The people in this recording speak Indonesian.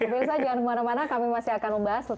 pemirsa jangan kemana mana kami masih akan membahas